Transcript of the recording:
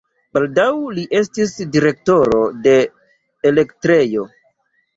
Baldaŭ li estis direktoro de elektrejo.